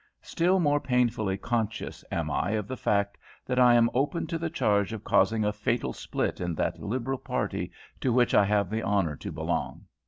Still more painfully conscious am I of the fact that I am open to the charge of causing a fatal split in that Liberal party to which I have the honour to belong.